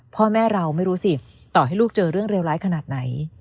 พ่อแม่เราไม่รู้สิต่อให้ลูกเจอเรื่องเลวร้ายขนาดไหน